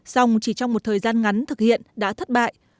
xong chỉ trong một thời gian ngắn thực hiện đã thất bại